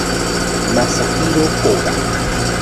Masahiro Koga